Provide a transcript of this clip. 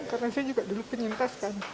karena saya juga dulu penyintas kan